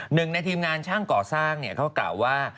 หนึ่งในทีมงานช่างก่อสร้างเขากล่าวว่า